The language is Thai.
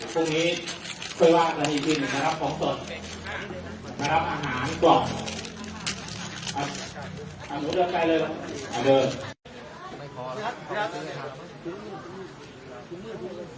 พรุ่งนี้มารับของสดมารับอาหารก่อนอ่ะอ่ะหมูเดินไปเลย